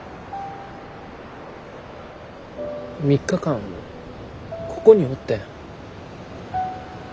３日間ここにおってん。